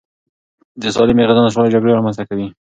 د سالمې غذا نشتوالی جګړې رامنځته کوي.